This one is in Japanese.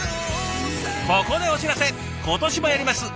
ここでお知らせ！